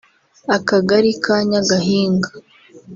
akagari ka Nyagahinga